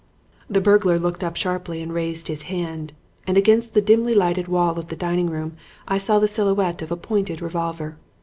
"The burglar looked up sharply and raised his hand; and against the dimly lighted wall of the dining room I saw the silhouette of a pointed revolver.